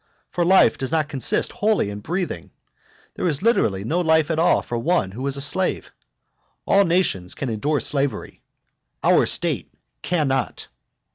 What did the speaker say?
For life does not consist wholly in breathing, there is literally no life at all for one who is a slave. All nations can endure slavery. Our state cannot.